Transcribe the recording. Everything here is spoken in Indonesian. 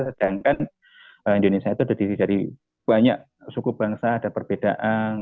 sedangkan indonesia itu terdiri dari banyak suku bangsa ada perbedaan